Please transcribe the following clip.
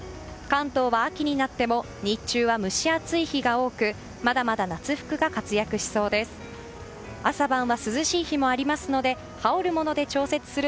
関東は秋になっても日中は蒸し暑い日が多くまだまだ夏服が活躍しそうです。